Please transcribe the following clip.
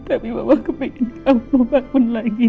tapi mama kepingin kamu bangun lagi